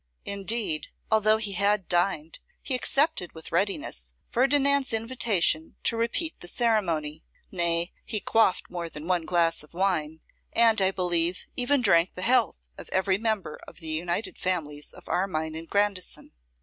Indeed, although he had dined, he accepted with readiness Ferdinand's invitation to repeat the ceremony; nay, he quaffed more than one glass of wine; and, I believe, even drank the health of every member of the united families of Armine and Grandison.